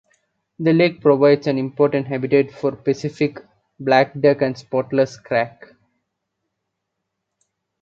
The lake provides an important habitat for the Pacific black duck and Spotless crake.